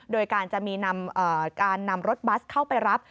โดยการจะมีการนำรถบัสเข้าไปรับ